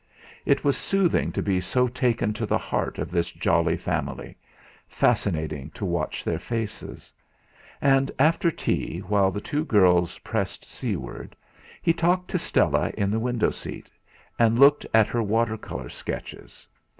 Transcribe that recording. It was soothing to be so taken to the heart of this jolly family, fascinating to watch their faces. And after tea, while the two little girls pressed seaweed, he talked to Stella in the window seat and looked at her water colour sketches.